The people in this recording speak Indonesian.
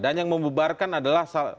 dan yang membebarkan adalah